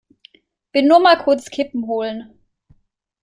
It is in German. Bin nur mal kurz Kippen holen!